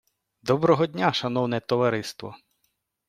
Доброго дня, шановне товариство!